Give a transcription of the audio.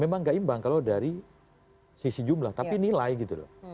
memang gak imbang kalau dari sisi jumlah tapi nilai gitu loh